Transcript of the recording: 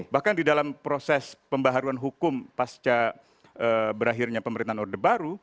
bahkan di dalam proses pembaharuan hukum pasca berakhirnya pemerintahan orde baru